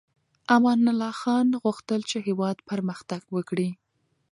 امان الله خان غوښتل چې هېواد پرمختګ وکړي.